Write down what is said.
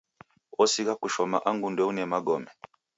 Osigha kushoma angu ndeune magome.